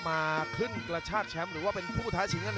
มาขึ้นกระชากแชมป์หรือว่าเป็นผู้ท้าชิงนั่นเอง